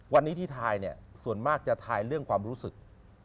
วันนี้ที่ทายเนี่ยส่วนมากจะทายเรื่องความรู้สึก